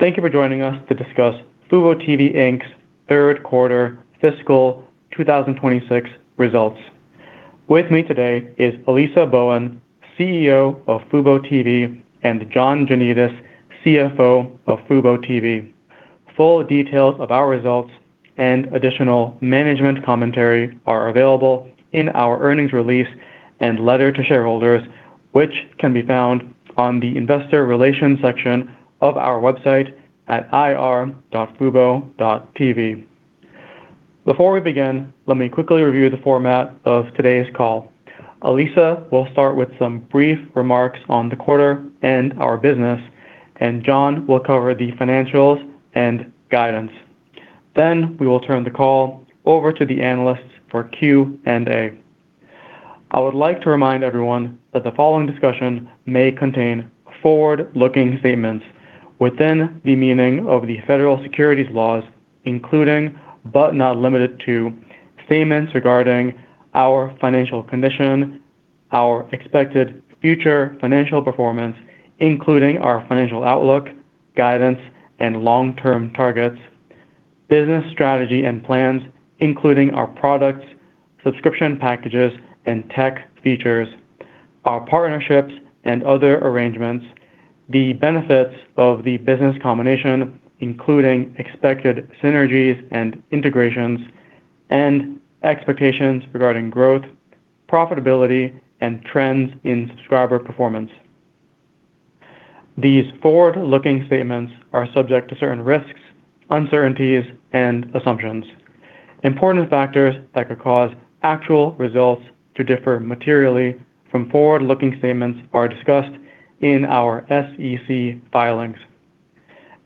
Thank you for joining us to discuss fuboTV Inc.'s third quarter fiscal 2026 results. With me today is Alisa Bowen, CEO of fuboTV, and John Janedis, CFO of fuboTV. Full details of our results and additional management commentary are available in our earnings release and letter to shareholders, which can be found on the investor relations section of our website at ir.fubo.tv. Before we begin, let me quickly review the format of today's call. Alisa will start with some brief remarks on the quarter and our business, and John will cover the financials and guidance. We will turn the call over to the analysts for Q&A. I would like to remind everyone that the following discussion may contain forward-looking statements within the meaning of the federal securities laws, including, but not limited to, statements regarding our financial condition, our expected future financial performance, including our financial outlook, guidance, and long-term targets, business strategy and plans, including our products, subscription packages, and tech features, our partnerships and other arrangements, the benefits of the business combination, including expected synergies and integrations, and expectations regarding growth, profitability, and trends in subscriber performance. These forward-looking statements are subject to certain risks, uncertainties, and assumptions. Important factors that could cause actual results to differ materially from forward-looking statements are discussed in our SEC filings.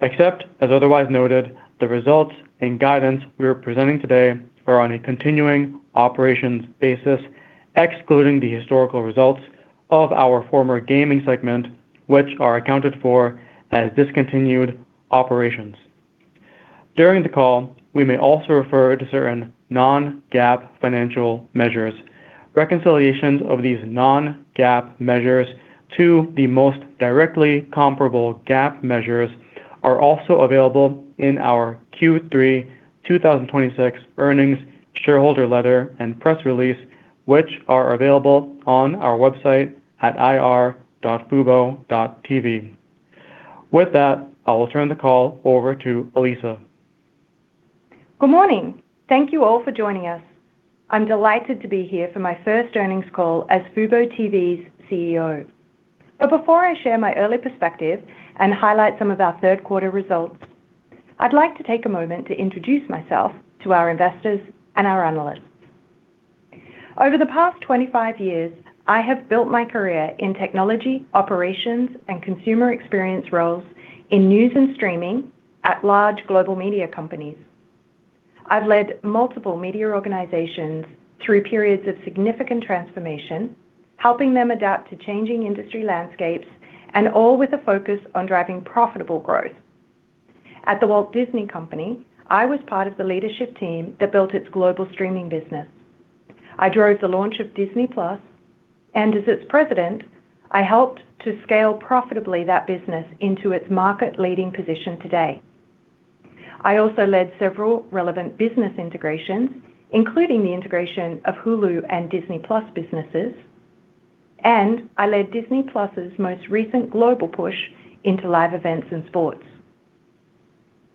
Except as otherwise noted, the results and guidance we are presenting today are on a continuing operations basis, excluding the historical results of our former gaming segment, which are accounted for as discontinued operations. During the call, we may also refer to certain non-GAAP financial measures. Reconciliations of these non-GAAP measures to the most directly comparable GAAP measures are also available in our Q3 2026 earnings shareholder letter and press release, which are available on our website at ir.fubo.tv. With that, I will turn the call over to Alisa. Good morning. Thank you all for joining us. I'm delighted to be here for my first earnings call as fuboTV's CEO. Before I share my early perspective and highlight some of our third quarter results, I'd like to take a moment to introduce myself to our investors and our analysts. Over the past 25 years, I have built my career in technology, operations, and consumer experience roles in news and streaming at large global media companies. I've led multiple media organizations through periods of significant transformation, helping them adapt to changing industry landscapes, and all with a focus on driving profitable growth. At The Walt Disney Company, I was part of the leadership team that built its global streaming business. I drove the launch of Disney+, and as its president, I helped to scale profitably that business into its market-leading position today. I also led several relevant business integrations, including the integration of Hulu and Disney+ businesses. I led Disney+'s most recent global push into live events and sports.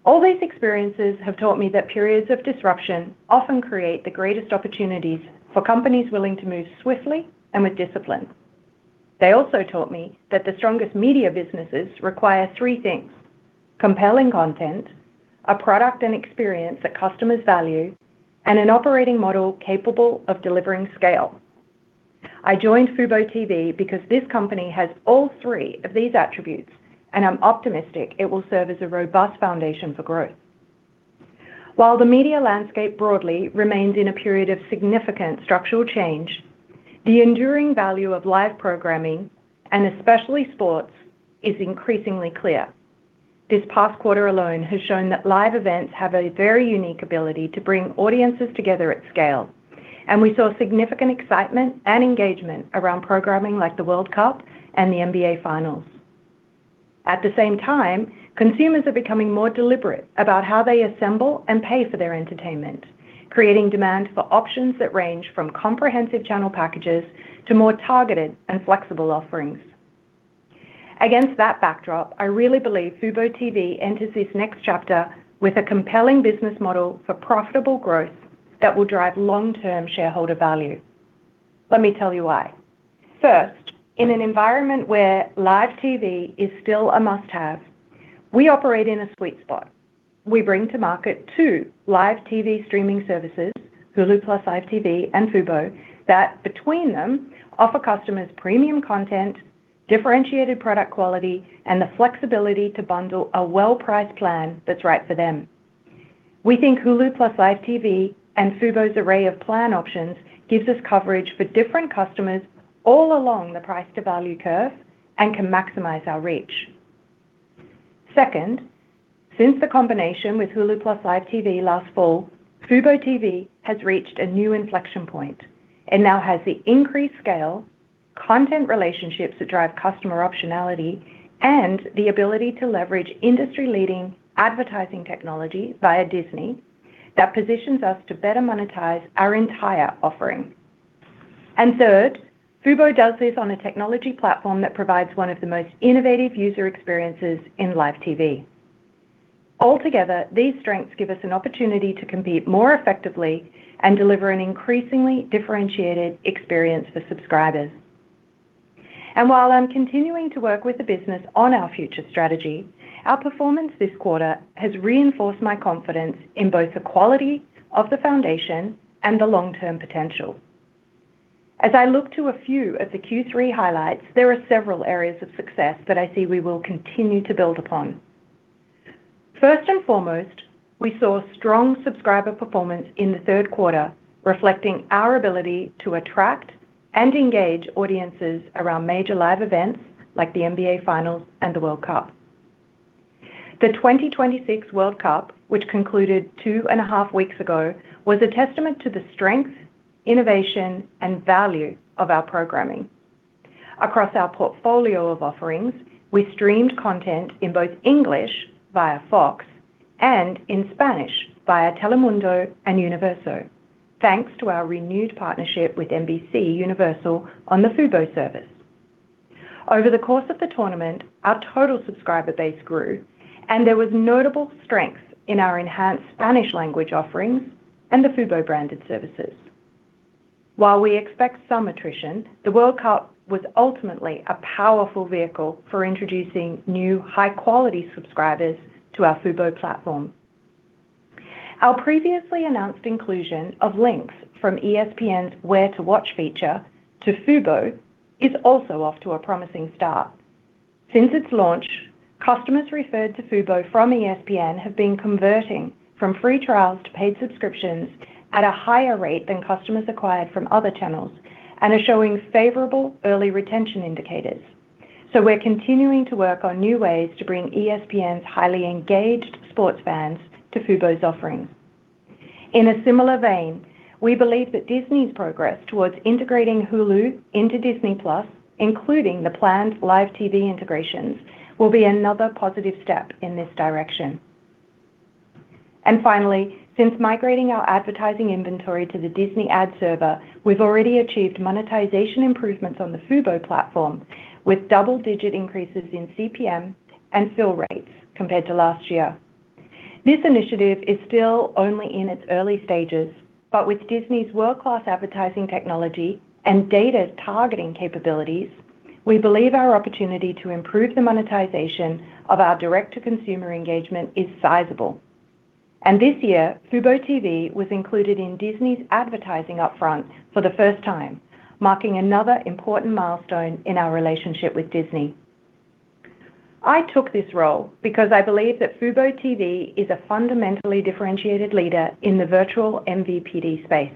All these experiences have taught me that periods of disruption often create the greatest opportunities for companies willing to move swiftly and with discipline. They also taught me that the strongest media businesses require three things: compelling content, a product and experience that customers value, and an operating model capable of delivering scale. I joined fuboTV because this company has all three of these attributes, and I'm optimistic it will serve as a robust foundation for growth. While the media landscape broadly remains in a period of significant structural change, the enduring value of live programming, and especially sports, is increasingly clear. This past quarter alone has shown that live events have a very unique ability to bring audiences together at scale, and we saw significant excitement and engagement around programming like the World Cup and the NBA Finals. At the same time, consumers are becoming more deliberate about how they assemble and pay for their entertainment, creating demand for options that range from comprehensive channel packages to more targeted and flexible offerings. Against that backdrop, I really believe fuboTV enters this next chapter with a compelling business model for profitable growth that will drive long-term shareholder value. Let me tell you why. First, in an environment where live TV is still a must-have, we operate in a sweet spot. We bring to market two live TV streaming services, Hulu + Live TV and Fubo, that between them offer customers premium content, differentiated product quality, and the flexibility to bundle a well-priced plan that's right for them. We think Hulu + Live TV and Fubo's array of plan options gives us coverage for different customers all along the price to value curve and can maximize our reach. Second, since the combination with Hulu + Live TV last fall, fuboTV has reached a new inflection point and now has the increased scale Content relationships that drive customer optionality, and the ability to leverage industry-leading advertising technology via Disney that positions us to better monetize our entire offering. Third, Fubo does this on a technology platform that provides one of the most innovative user experiences in live TV. Altogether, these strengths give us an opportunity to compete more effectively and deliver an increasingly differentiated experience for subscribers. While I'm continuing to work with the business on our future strategy, our performance this quarter has reinforced my confidence in both the quality of the foundation and the long-term potential. As I look to a few of the Q3 highlights, there are several areas of success that I see we will continue to build upon. First and foremost, we saw strong subscriber performance in the third quarter, reflecting our ability to attract and engage audiences around major live events like the NBA Finals and the World Cup. The 2026 World Cup, which concluded two and a half weeks ago, was a testament to the strength, innovation, and value of our programming. Across our portfolio of offerings, we streamed content in both English via Fox and in Spanish via Telemundo and Universo, thanks to our renewed partnership with NBCUniversal on the Fubo service. Over the course of the tournament, our total subscriber base grew, and there was notable strength in our enhanced Spanish language offerings and the Fubo-branded services. While we expect some attrition, the World Cup was ultimately a powerful vehicle for introducing new, high-quality subscribers to our Fubo platform. Our previously announced inclusion of links from ESPN's Where to Watch feature to Fubo is also off to a promising start. Since its launch, customers referred to Fubo from ESPN have been converting from free trials to paid subscriptions at a higher rate than customers acquired from other channels and are showing favorable early retention indicators. We're continuing to work on new ways to bring ESPN's highly engaged sports fans to Fubo's offerings. In a similar vein, we believe that Disney's progress towards integrating Hulu into Disney+, including the planned live TV integrations, will be another positive step in this direction. Finally, since migrating our advertising inventory to the Disney Ad Server, we've already achieved monetization improvements on the Fubo platform, with double-digit increases in CPM and fill rates compared to last year. This initiative is still only in its early stages, but with Disney's world-class advertising technology and data targeting capabilities, we believe our opportunity to improve the monetization of our direct-to-consumer engagement is sizable. This year, fuboTV was included in Disney's advertising upfront for the first time, marking another important milestone in our relationship with Disney. I took this role because I believe that fuboTV is a fundamentally differentiated leader in the virtual vMVPD space.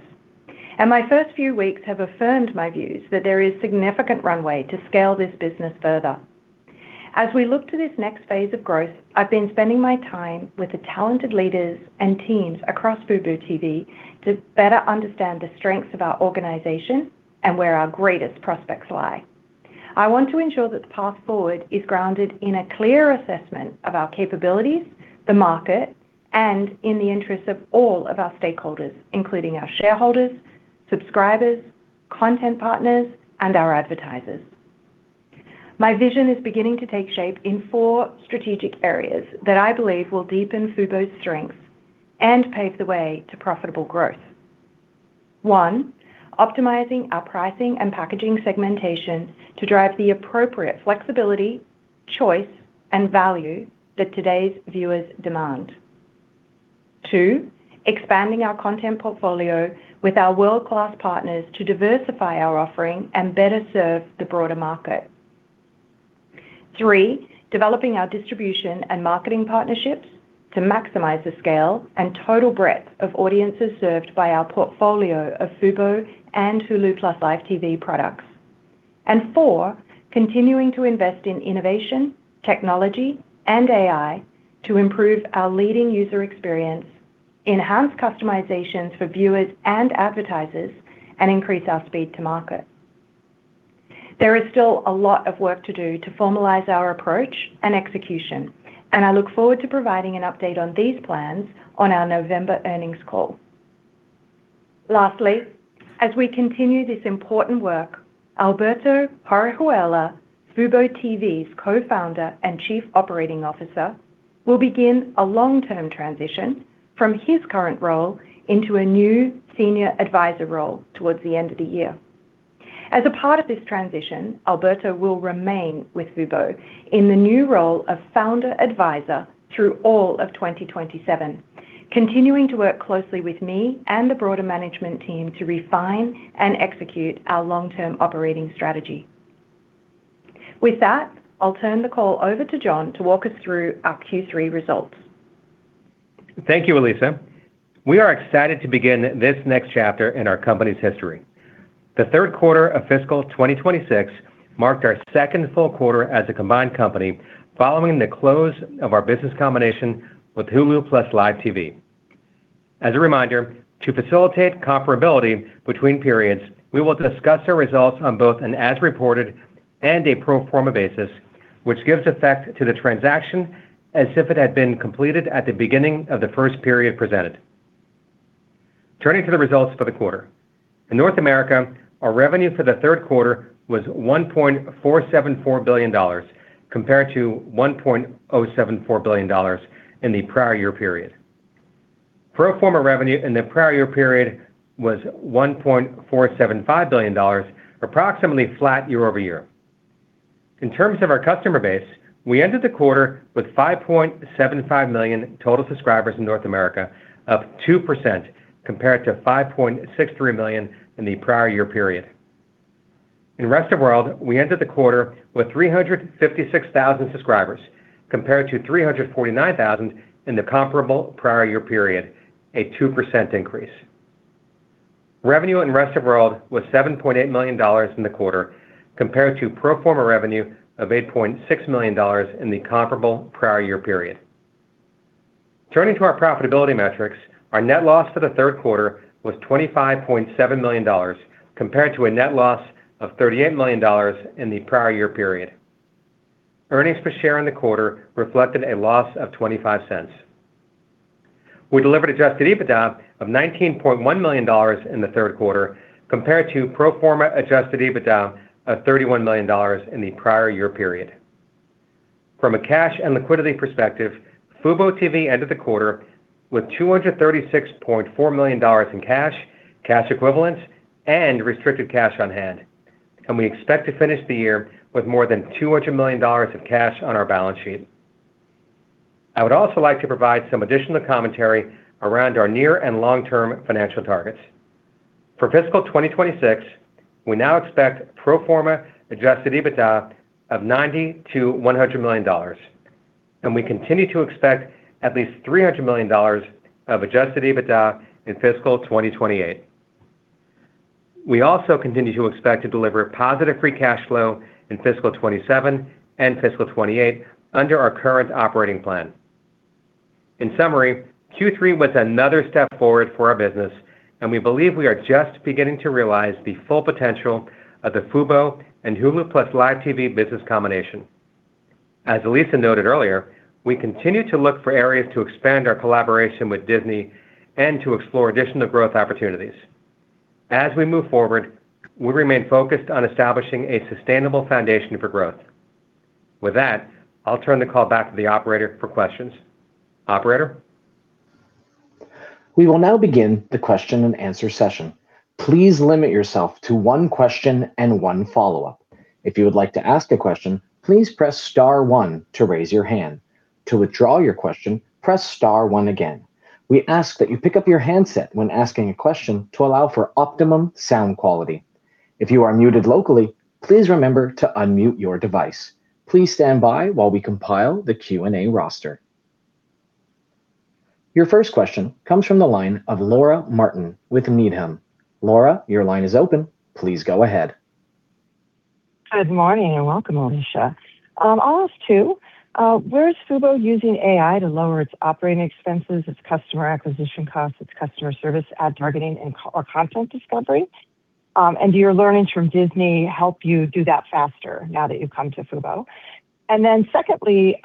My first few weeks have affirmed my views that there is significant runway to scale this business further. As we look to this next phase of growth, I've been spending my time with the talented leaders and teams across fuboTV to better understand the strengths of our organization and where our greatest prospects lie. I want to ensure that the path forward is grounded in a clear assessment of our capabilities, the market, and in the interests of all of our stakeholders, including our shareholders, subscribers, content partners, and our advertisers. My vision is beginning to take shape in four strategic areas that I believe will deepen Fubo's strengths and pave the way to profitable growth. One, optimizing our pricing and packaging segmentation to drive the appropriate flexibility, choice, and value that today's viewers demand. Two, expanding our content portfolio with our world-class partners to diversify our offering and better serve the broader market. Three, developing our distribution and marketing partnerships to maximize the scale and total breadth of audiences served by our portfolio of Fubo and Hulu + Live TV products. Four, continuing to invest in innovation, technology, and AI to improve our leading user experience, enhance customizations for viewers and advertisers, and increase our speed to market. There is still a lot of work to do to formalize our approach and execution, and I look forward to providing an update on these plans on our November earnings call. Lastly, as we continue this important work, Alberto Horihuela, fuboTV's Co-Founder and Chief Operating Officer, will begin a long-term transition from his current role into a new senior advisor role towards the end of the year. As a part of this transition, Alberto will remain with Fubo in the new role of Founder Advisor through all of 2027, continuing to work closely with me and the broader management team to refine and execute our long-term operating strategy. With that, I'll turn the call over to John to walk us through our Q3 results. Thank you, Alisa. We are excited to begin this next chapter in our company's history. The third quarter of fiscal 2026 marked our second full quarter as a combined company following the close of our business combination with Hulu + Live TV. As a reminder, to facilitate comparability between periods, we will discuss our results on both an as-reported and a pro forma basis, which gives effect to the transaction as if it had been completed at the beginning of the first period presented. Turning to the results for the quarter. In North America, our revenue for the third quarter was $1.474 billion, compared to $1.074 billion in the prior year period. Pro forma revenue in the prior year period was $1.475 billion, approximately flat year-over-year. In terms of our customer base, we ended the quarter with 5.75 million total subscribers in North America, up 2%, compared to 5.63 million in the prior year period. In rest of world, we ended the quarter with 356,000 subscribers compared to 349,000 in the comparable prior year period, a 2% increase. Revenue in rest of world was $7.8 million in the quarter compared to pro forma revenue of $8.6 million in the comparable prior year period. Turning to our profitability metrics, our net loss for the third quarter was $25.7 million, compared to a net loss of $38 million in the prior year period. Earnings per share in the quarter reflected a loss of $0.25. We delivered Adjusted EBITDA of $19.1 million in the third quarter, compared to pro forma Adjusted EBITDA of $31 million in the prior year period. From a cash and liquidity perspective, fuboTV ended the quarter with $236.4 million in cash equivalents, and restricted cash on hand, and we expect to finish the year with more than $200 million of cash on our balance sheet. I would also like to provide some additional commentary around our near and long-term financial targets. For fiscal 2026, we now expect pro forma Adjusted EBITDA of $90 million-$100 million, and we continue to expect at least $300 million of Adjusted EBITDA in fiscal 2028. We also continue to expect to deliver positive free cash flow in fiscal 2027 and fiscal 2028 under our current operating plan. In summary, Q3 was another step forward for our business, and we believe we are just beginning to realize the full potential of the Fubo and Hulu + Live TV business combination. As Alisa noted earlier, we continue to look for areas to expand our collaboration with Disney and to explore additional growth opportunities. As we move forward, we remain focused on establishing a sustainable foundation for growth. With that, I'll turn the call back to the operator for questions. Operator? We will now begin the question-and-answer session. Please limit yourself to one question and one follow-up. If you would like to ask a question, please press star one to raise your hand. To withdraw your question, press star one again. We ask that you pick up your handset when asking a question to allow for optimum sound quality. If you are muted locally, please remember to unmute your device. Please stand by while we compile the Q&A roster. Your first question comes from the line of Laura Martin with Needham. Laura, your line is open. Please go ahead. Good morning, welcome, Alisa. I'll ask two. Where is Fubo using AI to lower its operating expenses, its customer acquisition costs, its customer service, ad targeting, or content discovery? Do your learnings from Disney help you do that faster now that you've come to Fubo? Secondly,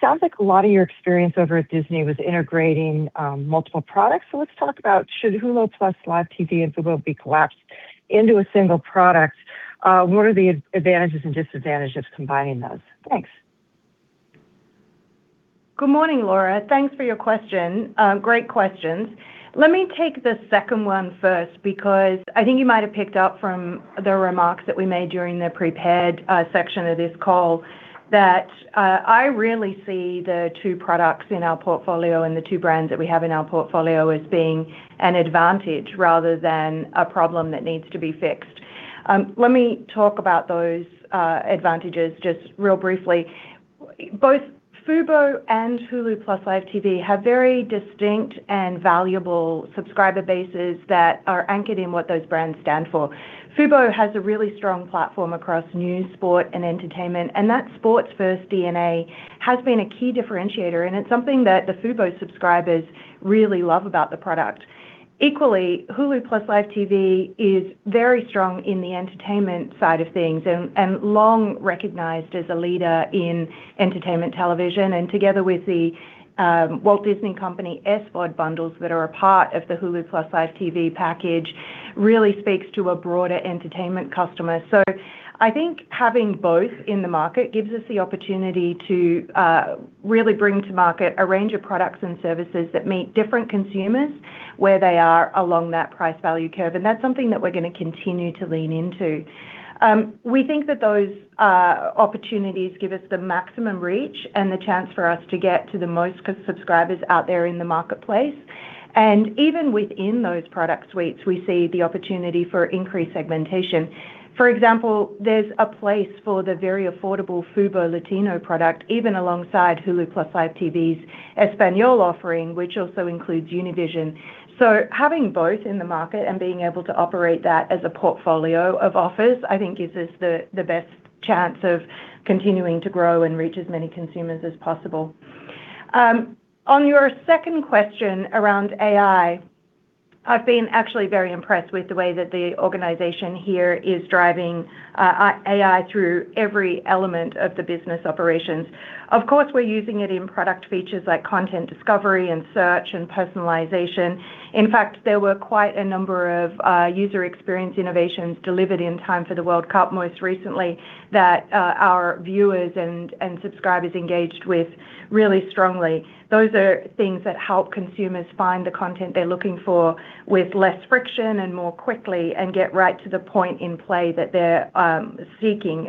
sounds like a lot of your experience over at Disney was integrating multiple products. Let's talk about should Hulu + Live TV and Fubo be collapsed into a single product? What are the advantages and disadvantages of combining those? Thanks. Good morning, Laura. Thanks for your question. Great questions. Let me take the second one first, because I think you might have picked up from the remarks that we made during the prepared section of this call that I really see the two products in our portfolio and the two brands that we have in our portfolio as being an advantage rather than a problem that needs to be fixed. Let me talk about those advantages just real briefly. Both Fubo and Hulu + Live TV have very distinct and valuable subscriber bases that are anchored in what those brands stand for. Fubo has a really strong platform across news, sport, and entertainment, and that sports-first DNA has been a key differentiator, and it's something that the Fubo subscribers really love about the product. Equally, Hulu + Live TV is very strong in the entertainment side of things and long recognized as a leader in entertainment television, and together with The Walt Disney Company SVOD bundles that are a part of the Hulu + Live TV package, really speaks to a broader entertainment customer. I think having both in the market gives us the opportunity to really bring to market a range of products and services that meet different consumers where they are along that price value curve. That's something that we're going to continue to lean into. We think that those opportunities give us the maximum reach and the chance for us to get to the most subscribers out there in the marketplace. Even within those product suites, we see the opportunity for increased segmentation. For example, there's a place for the very affordable Fubo Latino product, even alongside Hulu + Live TV's Español offering, which also includes Univision. Having both in the market and being able to operate that as a portfolio of offers, I think gives us the best chance of continuing to grow and reach as many consumers as possible. On your second question around AI, I've been actually very impressed with the way that the organization here is driving AI through every element of the business operations. Of course, we're using it in product features like content discovery and search and personalization. In fact, there were quite a number of user experience innovations delivered in time for the World Cup most recently that our viewers and subscribers engaged with really strongly. Those are things that help consumers find the content they're looking for with less friction and more quickly and get right to the point in play that they're seeking.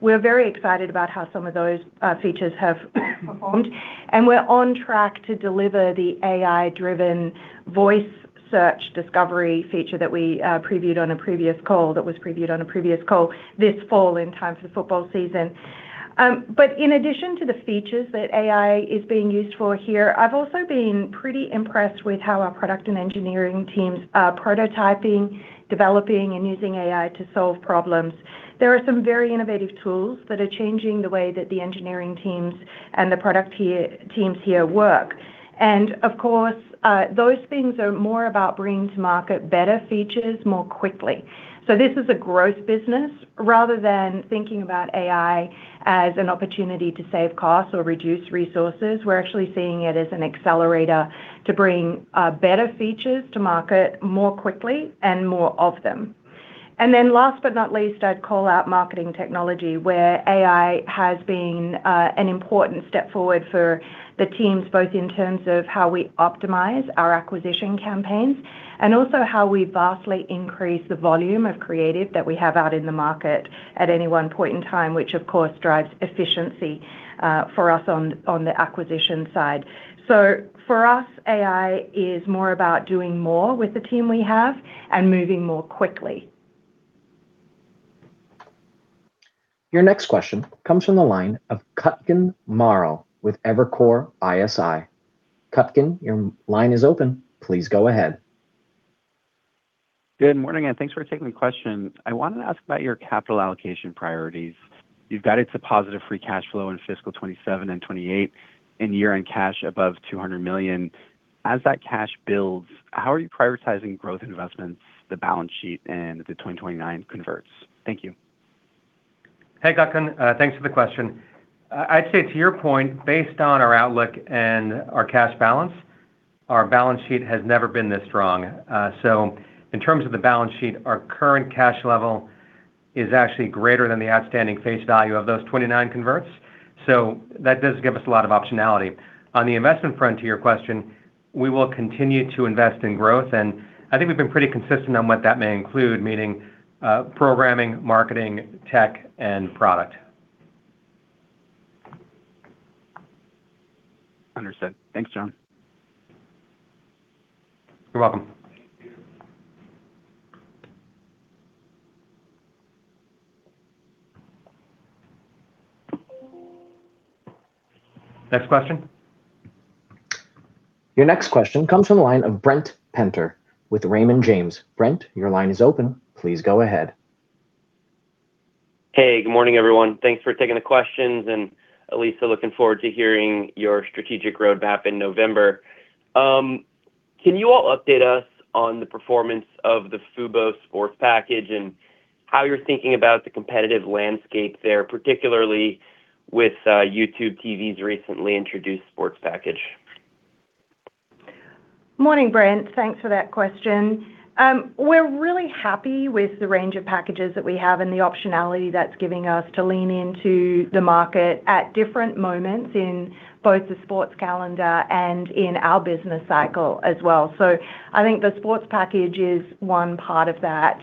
We're very excited about how some of those features have performed, and we're on track to deliver the AI-driven voice search discovery feature that was previewed on a previous call this fall in time for football season. In addition to the features that AI is being used for here, I've also been pretty impressed with how our product and engineering teams are prototyping, developing, and using AI to solve problems. There are some very innovative tools that are changing the way that the engineering teams and the product teams here work. Of course, those things are more about bringing to market better features more quickly. This is a growth business. Rather than thinking about AI as an opportunity to save costs or reduce resources, we're actually seeing it as an accelerator to bring better features to market more quickly and more of them. Last but not least, I'd call out marketing technology, where AI has been an important step forward for the teams, both in terms of how we optimize our acquisition campaigns and also how we vastly increase the volume of creative that we have out in the market at any one point in time, which of course drives efficiency for us on the acquisition side. For us, AI is more about doing more with the team we have and moving more quickly. Your next question comes from the line of Kutgun Maral with Evercore ISI. Kutgun, your line is open. Please go ahead. Good morning, and thanks for taking the question. I wanted to ask about your capital allocation priorities. You've guided to positive free cash flow in fiscal 2027 and 2028 and year-end cash above $200 million. As that cash builds, how are you prioritizing growth investments, the balance sheet, and the 2029 converts? Thank you. Hey, Kutgun. Thanks for the question. I'd say to your point, based on our outlook and our cash balance, our balance sheet has never been this strong. In terms of the balance sheet, our current cash level is actually greater than the outstanding face value of those 2029 converts. That does give us a lot of optionality. On the investment front to your question, we will continue to invest in growth, and I think we've been pretty consistent on what that may include, meaning programming, marketing, tech, and product. Understood. Thanks, John. You're welcome. Next question. Your next question comes from the line of Brent Penter with Raymond James. Brent, your line is open. Please go ahead. Hey, good morning, everyone. Thanks for taking the questions, and Alisa, looking forward to hearing your strategic roadmap in November. Can you all update us on the performance of the Fubo Sports package and how you're thinking about the competitive landscape there, particularly with YouTube TV's recently introduced Sports package? Morning, Brent. Thanks for that question. We're really happy with the range of packages that we have and the optionality that's giving us to lean into the market at different moments in both the sports calendar and in our business cycle as well. I think the Sports package is one part of that.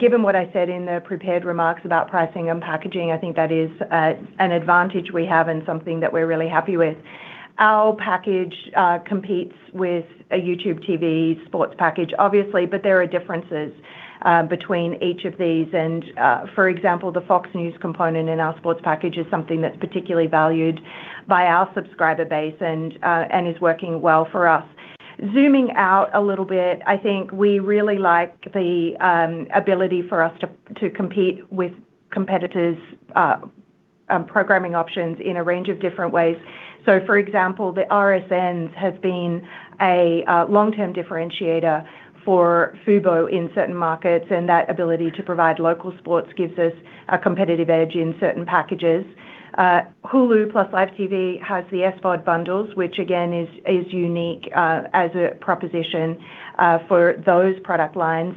Given what I said in the prepared remarks about pricing and packaging, I think that is an advantage we have and something that we're really happy with. Our package competes with a YouTube TV Sports package, obviously, but there are differences between each of these. For example, the Fox News component in our Sports package is something that's particularly valued by our subscriber base and is working well for us. Zooming out a little bit, I think we really like the ability for us to compete with competitors' programming options in a range of different ways. For example, the RSNs have been a long-term differentiator for Fubo in certain markets, and that ability to provide local sports gives us a competitive edge in certain packages. Hulu + Live TV has the SVOD bundles, which again, is unique as a proposition for those product lines.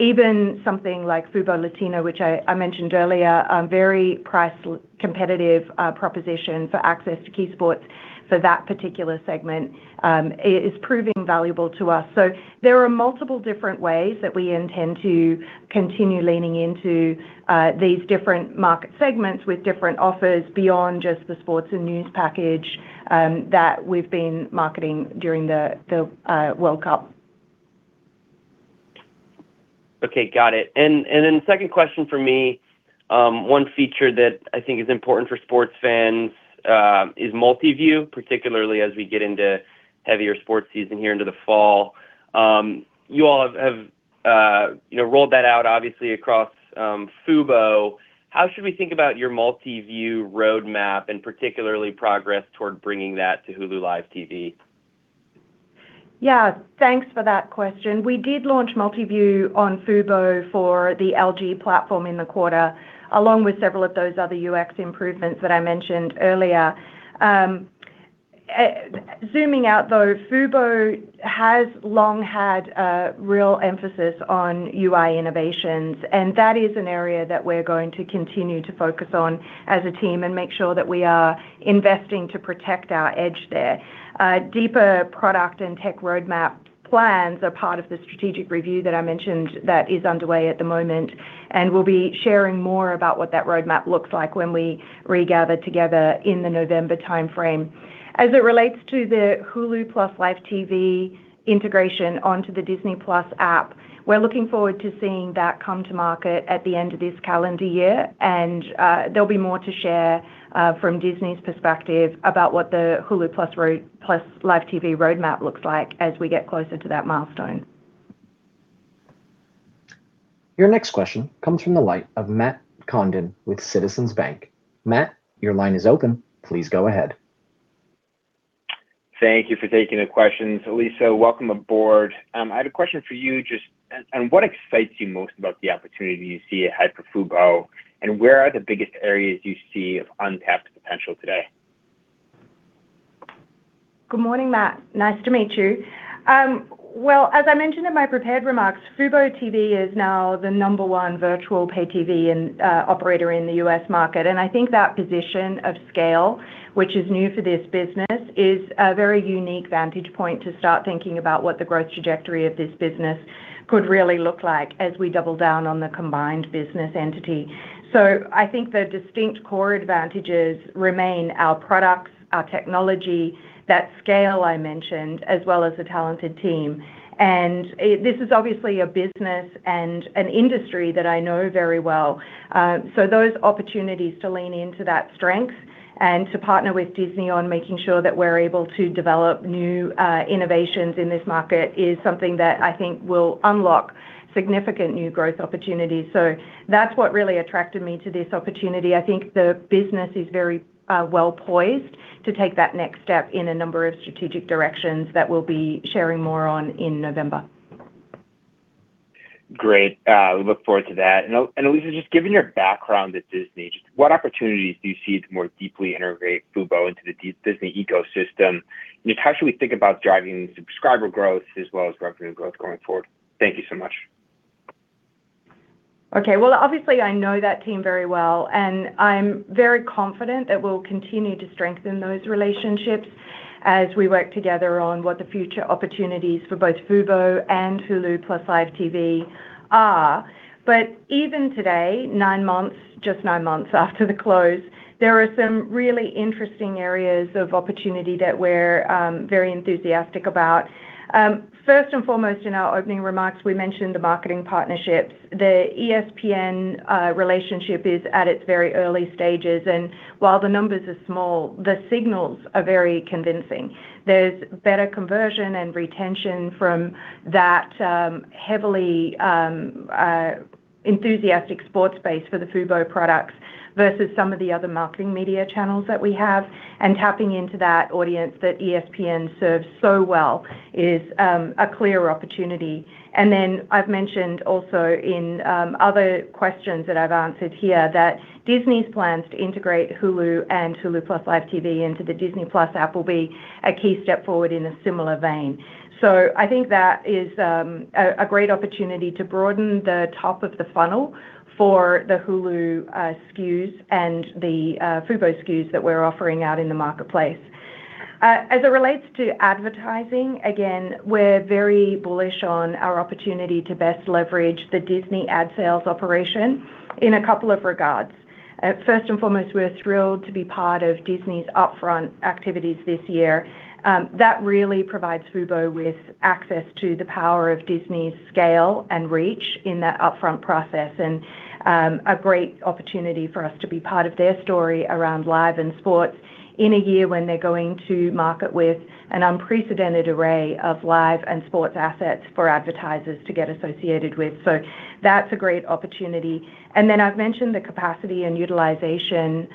Even something like Fubo Latino, which I mentioned earlier, a very price competitive proposition for access to key sports for that particular segment is proving valuable to us. There are multiple different ways that we intend to continue leaning into these different market segments with different offers beyond just the sports and news package that we've been marketing during the World Cup. Okay, got it. Second question from me, one feature that I think is important for sports fans is Multiview, particularly as we get into heavier sports season here into the fall. You all have rolled that out, obviously, across Fubo. How should we think about your Multiview roadmap and particularly progress toward bringing that to Hulu + Live TV? Yeah. Thanks for that question. We did launch Multiview on Fubo for the LG platform in the quarter, along with several of those other UX improvements that I mentioned earlier. Zooming out though, Fubo has long had a real emphasis on UI innovations, that is an area that we're going to continue to focus on as a team and make sure that we are investing to protect our edge there. Deeper product and tech roadmap plans are part of the strategic review that I mentioned that is underway at the moment, we'll be sharing more about what that roadmap looks like when we regather together in the November timeframe. As it relates to the Hulu + Live TV integration onto the Disney+ app, we're looking forward to seeing that come to market at the end of this calendar year. There'll be more to share from Disney's perspective about what the Hulu + Live TV roadmap looks like as we get closer to that milestone. Your next question comes from the line of Matt Condon with Citizens Bank. Matt, your line is open. Please go ahead. Thank you for taking the questions. Alisa, welcome aboard. I had a question for you, just on what excites you most about the opportunity you see at Fubo, where are the biggest areas you see of untapped potential today? Good morning, Matt. Nice to meet you. Well, as I mentioned in my prepared remarks, fuboTV is now the number one virtual Pay TV operator in the U.S. market. I think that position of scale, which is new for this business, is a very unique vantage point to start thinking about what the growth trajectory of this business could really look like as we double down on the combined business entity. I think the distinct core advantages remain our products, our technology, that scale I mentioned, as well as the talented team. This is obviously a business and an industry that I know very well. Those opportunities to lean into that strength and to partner with Disney on making sure that we're able to develop new innovations in this market is something that I think will unlock significant new growth opportunities. That's what really attracted me to this opportunity. I think the business is very well-poised to take that next step in a number of strategic directions that we'll be sharing more on in November. Great. Look forward to that. Alisa, just given your background at Disney, just what opportunities do you see to more deeply integrate Fubo into the Disney ecosystem? Just how should we think about driving subscriber growth as well as revenue growth going forward? Thank you so much. Okay. Well, obviously I know that team very well, and I'm very confident that we'll continue to strengthen those relationships as we work together on what the future opportunities for both Fubo and Hulu + Live TV are. Even today, just nine months after the close, there are some really interesting areas of opportunity that we're very enthusiastic about. First and foremost in our opening remarks, we mentioned the marketing partnerships. The ESPN relationship is at its very early stages, and while the numbers are small, the signals are very convincing. There's better conversion and retention from that heavily enthusiastic sports base for the Fubo products versus some of the other marketing media channels that we have. Tapping into that audience that ESPN serves so well is a clear opportunity. Then I've mentioned also in other questions that I've answered here that Disney's plans to integrate Hulu and Hulu + Live TV into the Disney+ app will be a key step forward in a similar vein. I think that is a great opportunity to broaden the top of the funnel for the Hulu SKUs and the Fubo SKUs that we're offering out in the marketplace. As it relates to advertising, again, we're very bullish on our opportunity to best leverage the Disney ad sales operation in a couple of regards. First and foremost, we're thrilled to be part of Disney's upfront activities this year. That really provides Fubo with access to the power of Disney's scale and reach in that upfront process, and a great opportunity for us to be part of their story around live and sports in a year when they're going to market with an unprecedented array of live and sports assets for advertisers to get associated with. That's a great opportunity. Then I've mentioned the capacity and utilization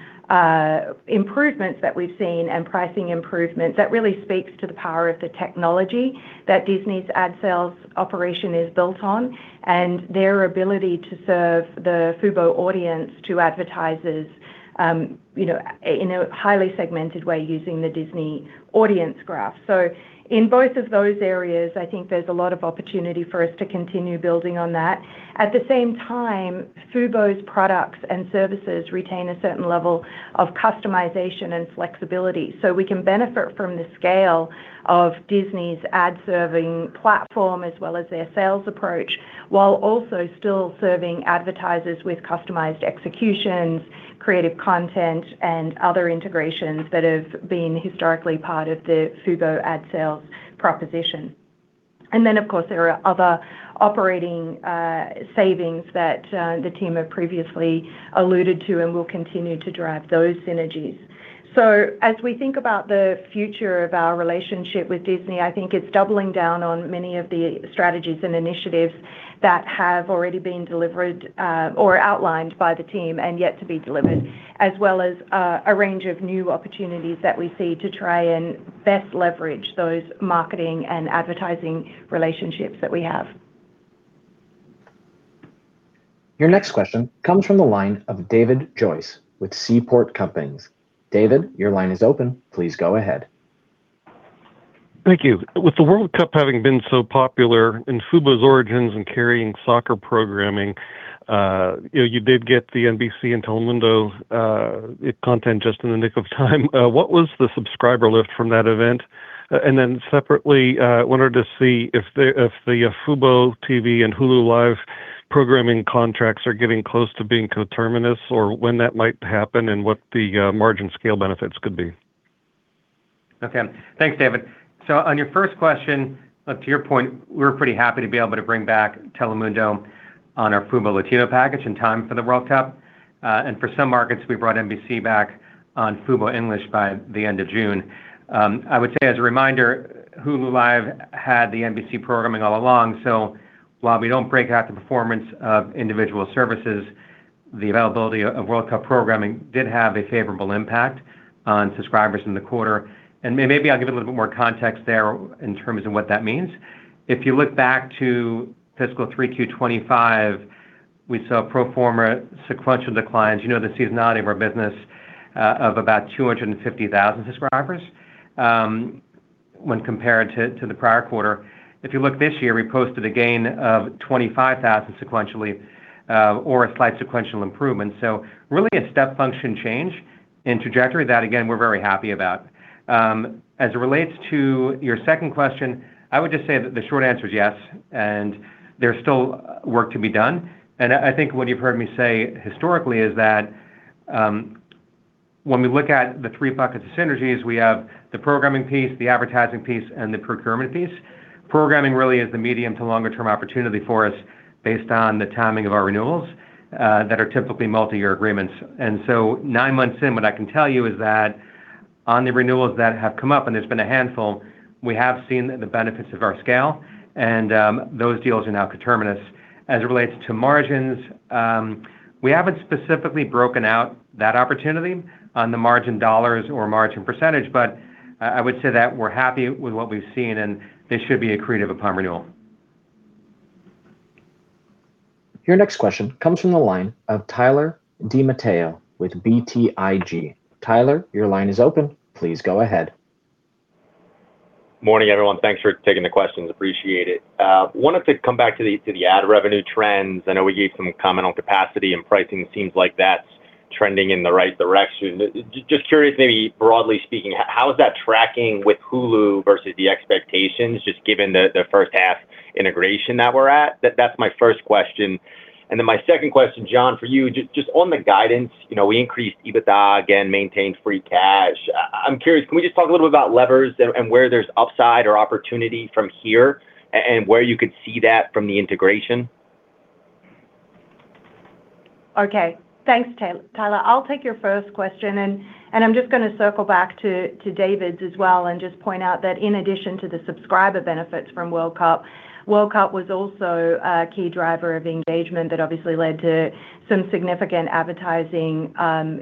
improvements that we've seen and pricing improvements. That really speaks to the power of the technology that Disney's ad sales operation is built on, and their ability to serve the fubo audience to advertisers in a highly segmented way using the Disney Audience Graph. In both of those areas, I think there's a lot of opportunity for us to continue building on that. At the same time, fubo's products and services retain a certain level of customization and flexibility. We can benefit from the scale of Disney's ad-serving platform as well as their sales approach, while also still serving advertisers with customized executions, creative content, and other integrations that have been historically part of the Fubo ad sales proposition. Of course, there are other operating savings that the team have previously alluded to and will continue to drive those synergies. As we think about the future of our relationship with Disney, I think it's doubling down on many of the strategies and initiatives that have already been delivered or outlined by the team and yet to be delivered, as well as a range of new opportunities that we see to try and best leverage those marketing and advertising relationships that we have. Your next question comes from the line of David Joyce with Seaport. David, your line is open. Please go ahead. Thank you. With the World Cup having been so popular and Fubo's origins in carrying soccer programming, you did get the NBC and Telemundo content just in the nick of time. What was the subscriber lift from that event? Separately, I wanted to see if the fuboTV and Hulu Live programming contracts are getting close to being coterminous, or when that might happen, and what the margin scale benefits could be. Okay. Thanks, David. On your first question, to your point, we're pretty happy to be able to bring back Telemundo on our Fubo Latino package in time for the World Cup. For some markets, we brought NBC back on Fubo English by the end of June. I would say, as a reminder, Hulu Live had the NBC programming all along. While we don't break out the performance of individual services, the availability of World Cup programming did have a favorable impact on subscribers in the quarter. Maybe I'll give a little bit more context there in terms of what that means. If you look back to fiscal 3Q 2025, we saw pro forma sequential declines, you know the seasonality of our business, of about 250,000 subscribers when compared to the prior quarter. If you look this year, we posted a gain of 25,000 sequentially, or a slight sequential improvement. Really a step function change in trajectory that, again, we're very happy about. As it relates to your second question, I would just say that the short answer is yes, and there's still work to be done. I think what you've heard me say historically is that when we look at the three buckets of synergies, we have the programming piece, the advertising piece, and the procurement piece. Programming really is the medium to longer-term opportunity for us based on the timing of our renewals that are typically multi-year agreements. Nine months in, what I can tell you is that on the renewals that have come up, and there's been a handful, we have seen the benefits of our scale, and those deals are now coterminous. As it relates to margins, we haven't specifically broken out that opportunity on the margin dollars or margin percentage, I would say that we're happy with what we've seen, and this should be accretive upon renewal. Your next question comes from the line of Tyler DiMatteo with BTIG. Tyler, your line is open. Please go ahead. Morning, everyone. Thanks for taking the questions. Appreciate it. Wanted to come back to the ad revenue trends. I know we gave some comment on capacity and pricing. It seems like that's trending in the right direction. Just curious, maybe broadly speaking, how is that tracking with Hulu versus the expectations, just given the first half integration that we're at? That's my first question. My second question, John, for you, just on the guidance, we increased EBITDA again, maintained free cash. I'm curious, can we just talk a little bit about levers and where there's upside or opportunity from here, and where you could see that from the integration? Okay. Thanks, Tyler. I'll take your first question. I'm just going to circle back to David's as well and just point out that in addition to the subscriber benefits from World Cup, World Cup was also a key driver of engagement that obviously led to some significant advertising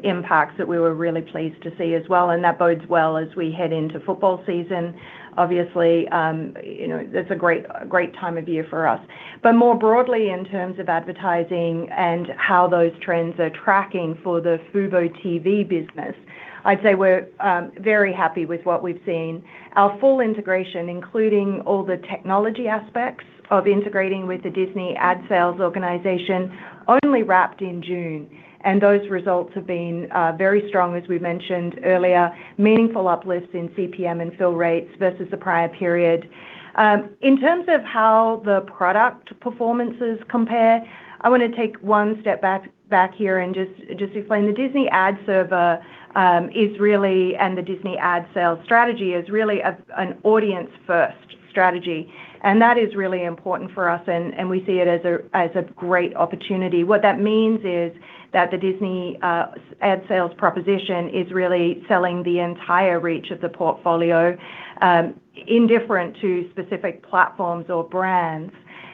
impacts that we were really pleased to see as well. That bodes well as we head into football season. Obviously, that's a great time of year for us. More broadly in terms of advertising and how those trends are tracking for the fuboTV business, I'd say we're very happy with what we've seen. Our full integration, including all the technology aspects of integrating with the Disney ad sales organization, only wrapped in June. Those results have been very strong, as we mentioned earlier. Meaningful uplifts in CPM and fill rates versus the prior period. In terms of how the product performances compare, I want to take one step back here and just explain. The Disney Ad Server is really, and the Disney ad sales strategy is really an audience-first strategy. That is really important for us, and we see it as a great opportunity. What that means is that the Disney ad sales proposition is really selling the entire reach of the portfolio, indifferent to specific platforms or brands,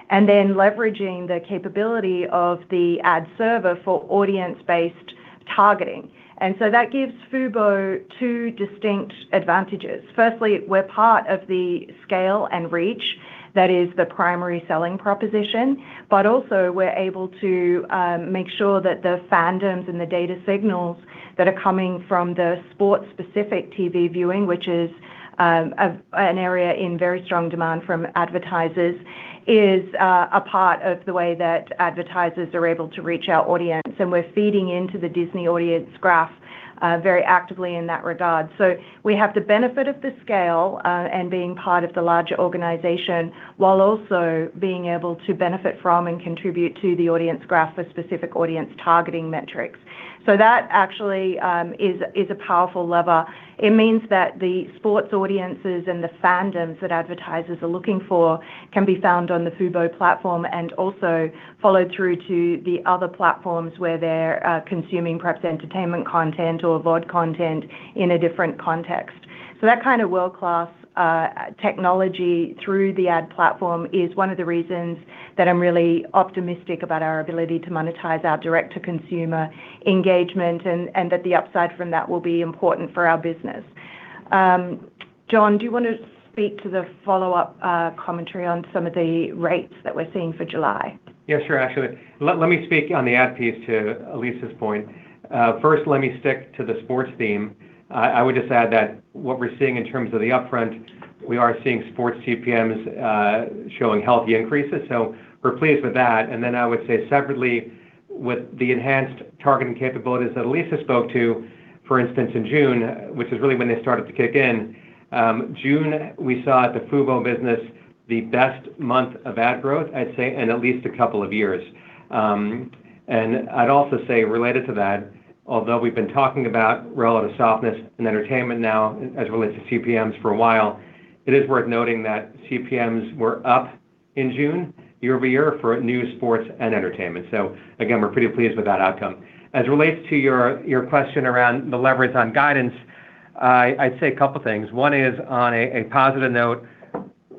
then leveraging the capability of the ad server for audience-based targeting. That gives Fubo two distinct advantages. Firstly, we're part of the scale and reach that is the primary selling proposition. Also, we're able to make sure that the fandoms and the data signals that are coming from the sport-specific TV viewing, which is an area in very strong demand from advertisers, is a part of the way that advertisers are able to reach our audience, and we're feeding into the Disney Audience Graph very actively in that regard. We have the benefit of the scale and being part of the larger organization while also being able to benefit from and contribute to the audience graph for specific audience targeting metrics. That actually is a powerful lever. It means that the sports audiences and the fandoms that advertisers are looking for can be found on the Fubo platform and also followed through to the other platforms where they're consuming perhaps entertainment content or VoD content in a different context. That kind of world-class technology through the ad platform is one of the reasons that I'm really optimistic about our ability to monetize our direct-to-consumer engagement and that the upside from that will be important for our business. John, do you want to speak to the follow-up commentary on some of the rates that we're seeing for July? Let me speak on the ad piece to Alisa's point. First, let me stick to the sports theme. I would just add that what we're seeing in terms of the upfront, we are seeing sports CPMs showing healthy increases. We're pleased with that. I would say separately with the enhanced targeting capabilities that Alisa spoke to, for instance, in June, which is really when they started to kick in. June, we saw at the fuboTV business, the best month of ad growth, I'd say, in at least a couple of years. I'd also say related to that, although we've been talking about relative softness and entertainment now as it relates to CPMs for a while, it is worth noting that CPMs were up in June year-over-year for news, sports and entertainment. Again, we're pretty pleased with that outcome. As it relates to your question around the leverage on guidance, I'd say a couple of things. One is on a positive note,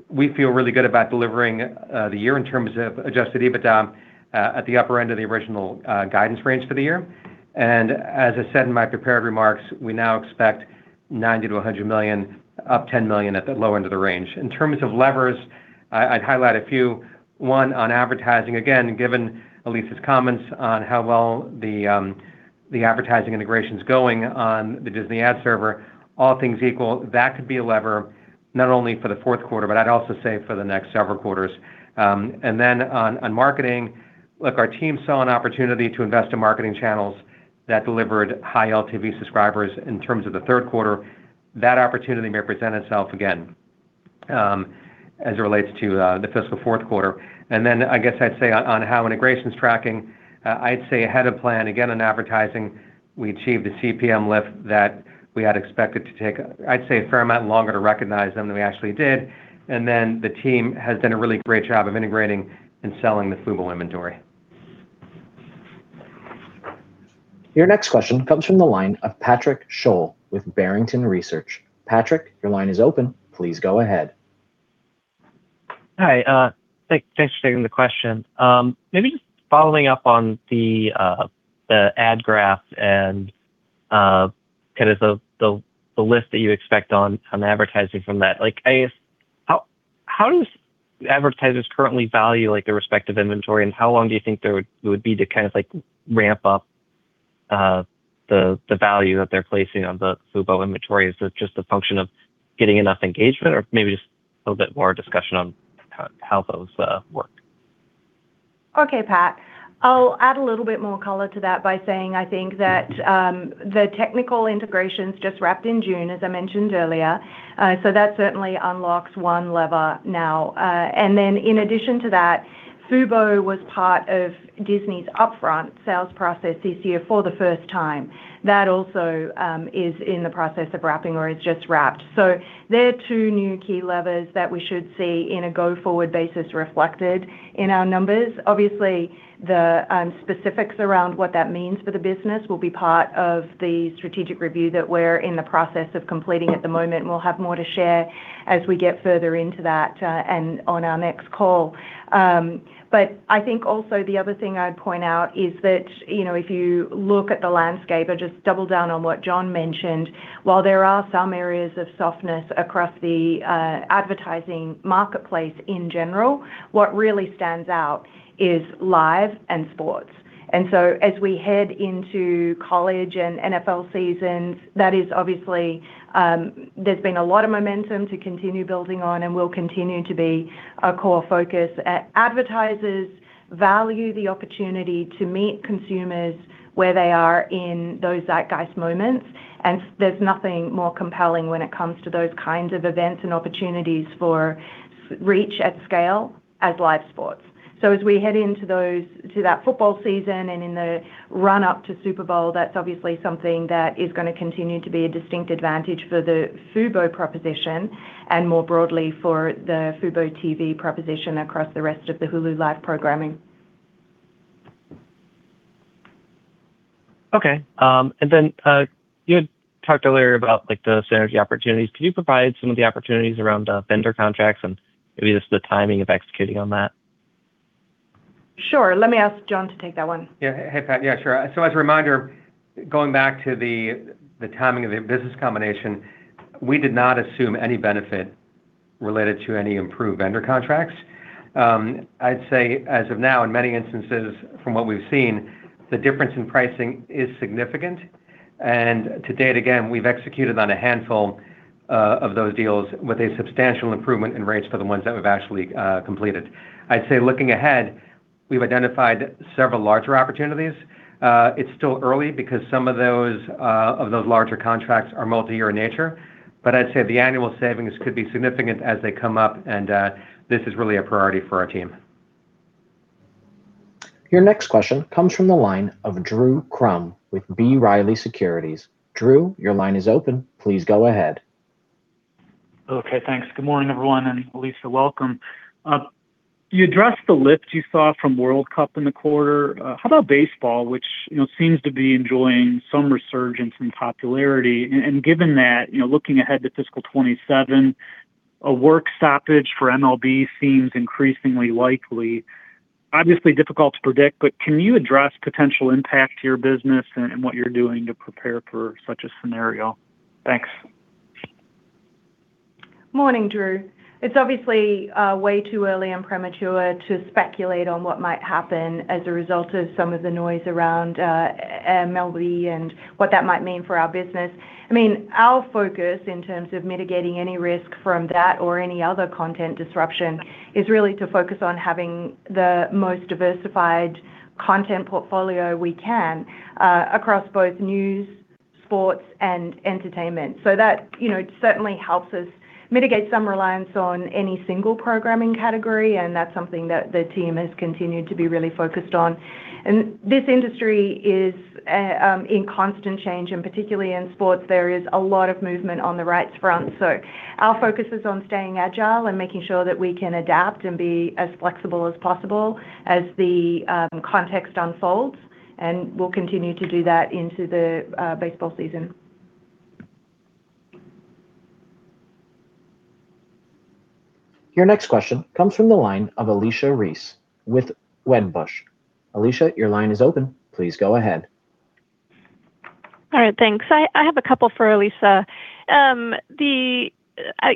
we feel really good about delivering the year in terms of Adjusted EBITDA at the upper end of the original guidance range for the year. As I said in my prepared remarks, we now expect $90 million-$100 million up $10 million at the low end of the range. In terms of levers, I'd highlight a few. One on advertising, again, given Alisa's comments on how well the advertising integration's going on the Disney Ad Server, all things equal, that could be a lever not only for the fourth quarter, but I'd also say for the next several quarters. On marketing, look, our team saw an opportunity to invest in marketing channels that delivered high LTV subscribers in terms of the third quarter. That opportunity may present itself again as it relates to the fiscal fourth quarter. I guess I'd say on how integration's tracking, I'd say ahead of plan, again, on advertising, we achieved a CPM lift that we had expected to take, I'd say a fair amount longer to recognize them than we actually did. The team has done a really great job of integrating and selling the fuboTV inventory. Your next question comes from the line of Patrick Sholl with Barrington Research. Patrick, your line is open. Please go ahead. Hi. Thanks for taking the question. Maybe just following up on the ad graph and the lift that you expect on advertising from that. I guess, how does advertisers currently value their respective inventory, and how long do you think it would be to ramp up the value that they're placing on the Fubo inventory? Is it just a function of getting enough engagement or maybe just a little bit more discussion on how those work? Okay, Pat. I'll add a little bit more color to that by saying I think that the technical integrations just wrapped in June, as I mentioned earlier. That certainly unlocks one lever now. In addition to that, Fubo was part of Disney's upfront sales process this year for the first time. That also is in the process of wrapping or is just wrapped. They're two new key levers that we should see in a go-forward basis reflected in our numbers. Obviously, the specifics around what that means for the business will be part of the strategic review that we're in the process of completing at the moment, and we'll have more to share as we get further into that and on our next call. I think also the other thing I'd point out is that, if you look at the landscape or just double down on what John mentioned, while there are some areas of softness across the advertising marketplace in general, what really stands out is live and sports. As we head into college and NFL seasons, that is obviously there's been a lot of momentum to continue building on and will continue to be a core focus. Advertisers value the opportunity to meet consumers where they are in those zeitgeist moments, and there's nothing more compelling when it comes to those kinds of events and opportunities for reach at scale as live sports. As we head into that football season and in the run-up to Super Bowl, that's obviously something that is going to continue to be a distinct advantage for the Fubo proposition and more broadly for the fuboTV proposition across the rest of the Hulu Live programming. Okay. You had talked earlier about the synergy opportunities. Can you provide some of the opportunities around vendor contracts and maybe just the timing of executing on that? Sure. Let me ask John to take that one. Yeah. Hey, Pat. Yeah, sure. As a reminder, going back to the timing of the business combination, we did not assume any benefit related to any improved vendor contracts. I'd say as of now, in many instances from what we've seen, the difference in pricing is significant. To date, again, we've executed on a handful of those deals with a substantial improvement in rates for the ones that we've actually completed. I'd say looking ahead, we've identified several larger opportunities. It's still early because some of those larger contracts are multi-year in nature, I'd say the annual savings could be significant as they come up. This is really a priority for our team. Your next question comes from the line of Drew Crum with B. Riley Securities. Drew, your line is open. Please go ahead. Okay, thanks. Good morning, everyone, Alisa, welcome. You addressed the lift you saw from World Cup in the quarter. How about baseball, which seems to be enjoying some resurgence in popularity? Given that, looking ahead to fiscal 2027, a work stoppage for MLB seems increasingly likely. Obviously difficult to predict, but can you address potential impact to your business and what you're doing to prepare for such a scenario? Thanks. Morning, Drew. It's obviously way too early and premature to speculate on what might happen as a result of some of the noise around MLB and what that might mean for our business. Our focus in terms of mitigating any risk from that or any other content disruption is really to focus on having the most diversified content portfolio we can across both news, sports, and entertainment. That certainly helps us mitigate some reliance on any single programming category, and that's something that the team has continued to be really focused on. This industry is in constant change, and particularly in sports, there is a lot of movement on the rights front. Our focus is on staying agile and making sure that we can adapt and be as flexible as possible as the context unfolds, and we'll continue to do that into the baseball season. Your next question comes from the line of Alicia Reese with Wedbush. Alicia, your line is open. Please go ahead. All right, thanks. I have a couple for Alisa. I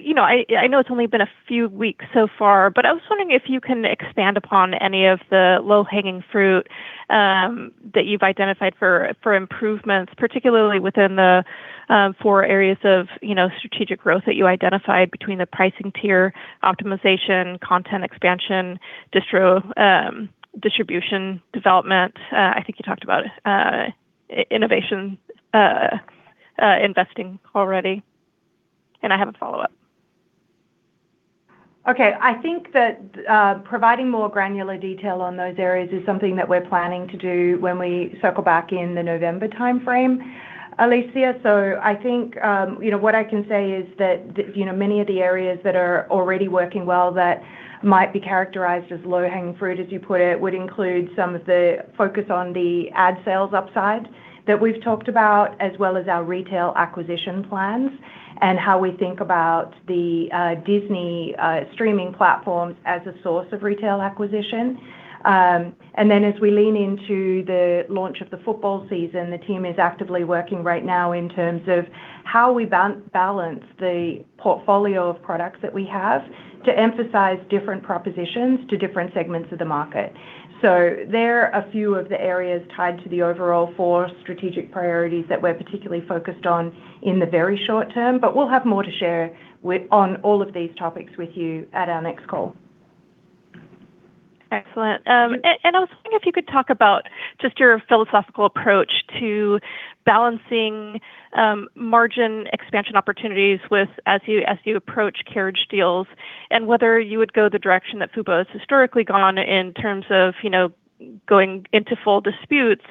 know it's only been a few weeks so far, but I was wondering if you can expand upon any of the low-hanging fruit that you've identified for improvements, particularly within the four areas of strategic growth that you identified between the pricing tier optimization, content expansion, distribution development. I think you talked about innovation investing already. I have a follow-up. I think that providing more granular detail on those areas is something that we're planning to do when we circle back in the November timeframe, Alicia. I think what I can say is that many of the areas that are already working well that might be characterized as low-hanging fruit, as you put it, would include some of the focus on the ad sales upside that we've talked about, as well as our retail acquisition plans and how we think about the Disney streaming platforms as a source of retail acquisition. As we lean into the launch of the football season, the team is actively working right now in terms of how we balance the portfolio of products that we have to emphasize different propositions to different segments of the market. There are a few of the areas tied to the overall four strategic priorities that we're particularly focused on in the very short term, but we'll have more to share on all of these topics with you at our next call. Excellent. I was wondering if you could talk about just your philosophical approach to balancing margin expansion opportunities as you approach carriage deals, and whether you would go the direction that fuboTV has historically gone in terms of going into full disputes.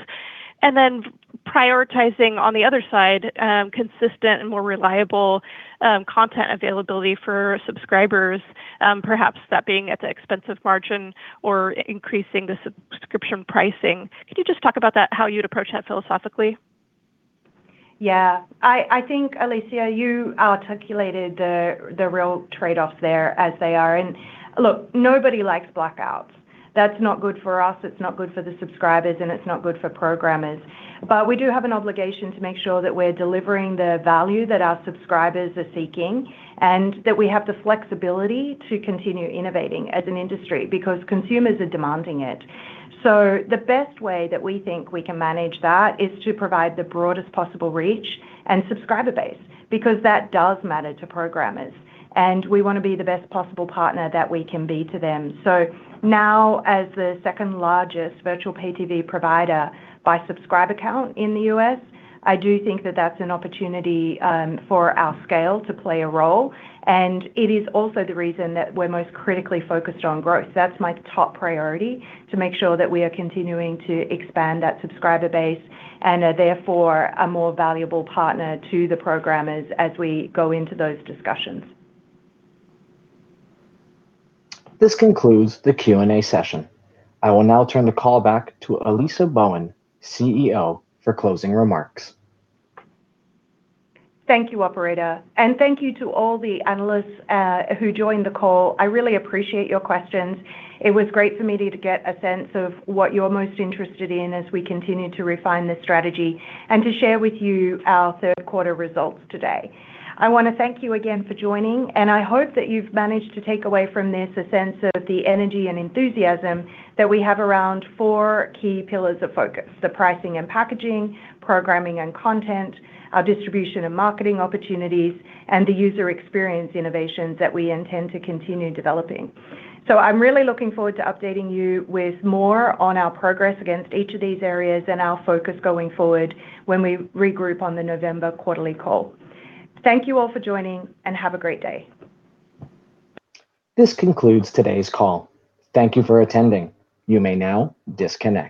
Prioritizing, on the other side, consistent and more reliable content availability for subscribers, perhaps that being at the expense of margin or increasing the subscription pricing. Could you just talk about that, how you'd approach that philosophically? Yeah. I think, Alicia, you articulated the real trade-off there as they are. Look, nobody likes blackouts. That's not good for us, it's not good for the subscribers, and it's not good for programmers. We do have an obligation to make sure that we're delivering the value that our subscribers are seeking, and that we have the flexibility to continue innovating as an industry, because consumers are demanding it. The best way that we think we can manage that is to provide the broadest possible reach and subscriber base, because that does matter to programmers, and we want to be the best possible partner that we can be to them. Now, as the second-largest virtual vMVPD provider by subscriber count in the U.S., I do think that that's an opportunity for our scale to play a role. It is also the reason that we're most critically focused on growth. That's my top priority, to make sure that we are continuing to expand that subscriber base and are therefore a more valuable partner to the programmers as we go into those discussions. This concludes the Q&A session. I will now turn the call back to Alisa Bowen, CEO, for closing remarks. Thank you, operator. Thank you to all the analysts who joined the call. I really appreciate your questions. It was great for me to get a sense of what you're most interested in as we continue to refine this strategy and to share with you our third quarter results today. I want to thank you again for joining, and I hope that you've managed to take away from this a sense of the energy and enthusiasm that we have around four key pillars of focus, the pricing and packaging, programming and content, our distribution and marketing opportunities, and the user experience innovations that we intend to continue developing. I'm really looking forward to updating you with more on our progress against each of these areas and our focus going forward when we regroup on the November quarterly call. Thank you all for joining, and have a great day. This concludes today's call. Thank you for attending. You may now disconnect.